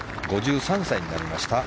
５３歳になりました。